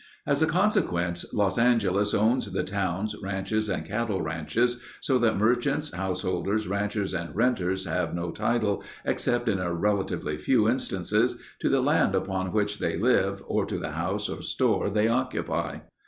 As a consequence, Los Angeles owns the towns, ranches, and cattle ranges so that merchants, householders, ranchers, and renters have no title except in a relatively few instances, to the land upon which they live or to the house or store they occupy.